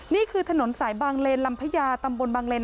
นี่คือถนนสายบางเลนลำพญาตำบลบางเลน